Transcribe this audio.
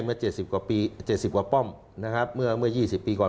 เมื่อเจ็ดสิบกว่าป้อมนะครับเมื่อเมื่อยี่สิบปีก่อน